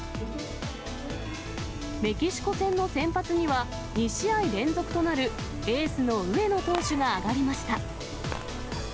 メキシコ戦の先発には、２試合連続となる、エースの上野投手が上がりました。